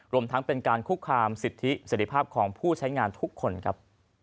รวมทั้งเป็นการคุกคามสิทธิเสร็จภาพของผู้ใช้งานทุกคนครับ